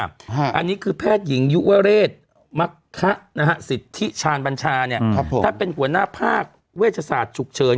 อันนี้คือแพทย์หญิงยุวเรศมักคะสิทธิชาญบัญชาท่านเป็นหัวหน้าภาคเวชศาสตร์ฉุกเฉิน